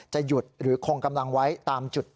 หยุดหรือคงกำลังไว้ตามจุด